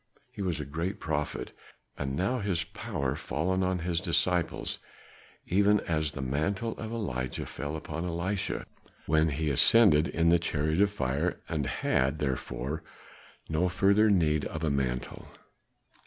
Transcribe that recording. He was a great prophet, and now is his power fallen on his disciples, even as the mantle of Elijah fell upon Elisha when he ascended in the chariot of fire and had, therefore, no further need of a mantle."